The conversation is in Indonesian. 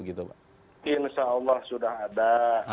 insyaallah sudah ada